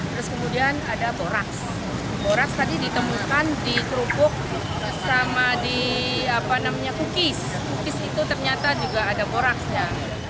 terus kemudian ada borax borax tadi ditemukan di kerupuk sama di kukis kukis itu ternyata juga ada boraxnya